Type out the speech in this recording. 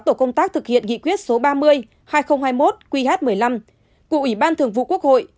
tổ công tác thực hiện nghị quyết số ba mươi hai nghìn hai mươi một qh một mươi năm của ủy ban thường vụ quốc hội